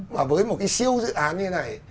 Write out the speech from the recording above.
mà với một cái siêu dự án như thế này